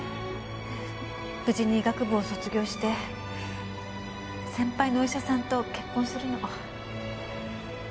無事に医学部を卒業して先輩のお医者さんと結婚するの。